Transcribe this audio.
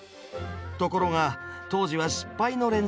ところが当時は失敗の連続。